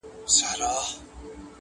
نن قانون او حیا دواړه له وطنه کوچېدلي!.